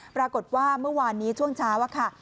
ปรากฏว่าเมื่อวานนี้ช่วงเช้าค่ะ